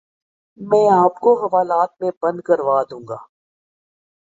میں آپ کو حوالات میں بند کروا دوں گا